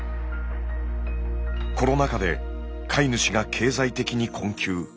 コロナ禍で飼い主が経済的に困窮。